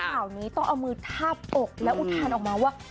ข่าวนี้ต้องเอามือทาบอกและอุทานออกมาว่า